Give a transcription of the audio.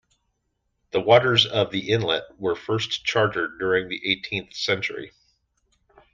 The waters of the inlet were first charted during the eighteenth century.